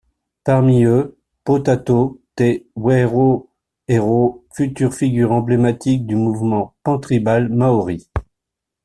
Parmi eux, Potatau Te Wherowhero, future figure emblématique du mouvement pan-tribal maori.